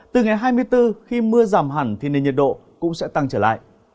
từ ngày hai mươi bốn khi mưa giảm hẳn thì nền nhiệt độ cũng sẽ tăng trở lại